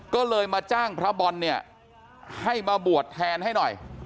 ก็เลยมาจ้างพระบอลเนี่ยให้มาบวชแทนให้หน่อย